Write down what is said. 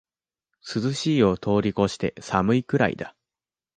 涼しいを通りこして寒いくらいだ